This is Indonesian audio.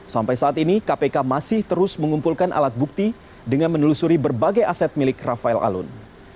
sampai saat ini kpk masih terus mengumpulkan alat bukti dengan menelusuri berbagai aset milik rafael alun